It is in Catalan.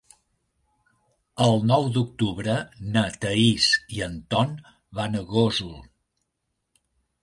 El nou d'octubre na Thaís i en Ton van a Gósol.